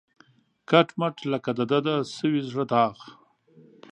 کټ مټ لکه د ده د سوي زړه داغ